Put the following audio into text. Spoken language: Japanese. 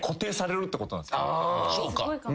そうか。